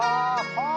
「ああ！」